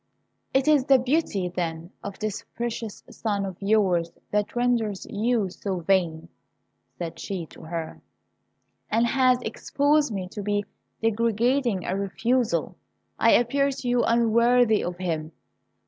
"It is the beauty, then, of this precious son of yours that renders you so vain," said she to her, "and has exposed me to so degrading a refusal! I appear to you unworthy of him.